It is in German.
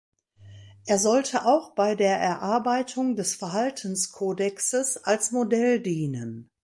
Er sollte auch bei der Erarbeitung des Verhaltenskodexes als Modell dienen.